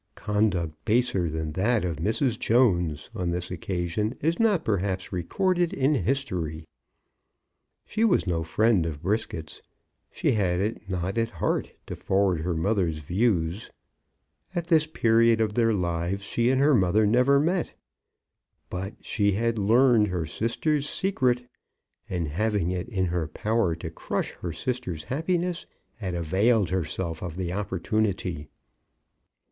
Conduct baser than that of Mrs. Jones on this occasion is not perhaps recorded in history. She was no friend of Brisket's. She had it not at heart to forward her mother's views. At this period of their lives she and her mother never met. But she had learned her sister's secret, and having it in her power to crush her sister's happiness, had availed herself of the opportunity.